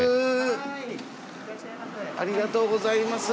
ありがとうございます。